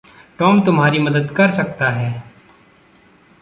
Tom तुम्हारी मदद कर सकता है।